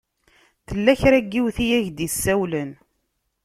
Tella kra n yiwet i ak-d-isawlen.